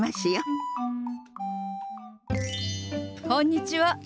こんにちは。